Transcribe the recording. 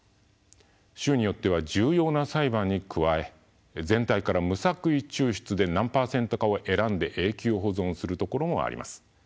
州によっては重要な裁判に加え全体から無作為抽出で何％かを選んで永久保存するところもあります。